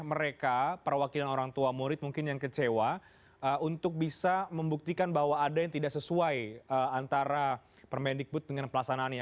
mereka perwakilan orang tua murid mungkin yang kecewa untuk bisa membuktikan bahwa ada yang tidak sesuai antara permendikbud dengan pelaksanaannya